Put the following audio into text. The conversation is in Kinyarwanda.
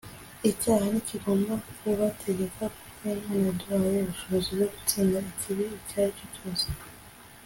icyaha nti kigomba kubategeka kuko imana yaduhaye ubushobozi bwo gutsinda ikibi icyari cyo cyose